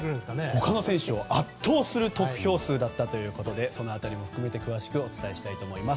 他の選手を圧倒する得票数だったということでその辺りも含めて詳しくお伝えしたいと思います。